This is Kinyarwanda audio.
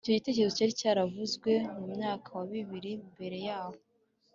icyo gitekerezo cyari cyaravuzwe mu myaka wa bibiri mbere yaho